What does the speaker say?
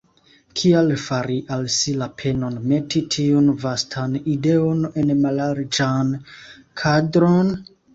Kial fari al si la penon meti tiun vastan ideon en mallarĝan kadron?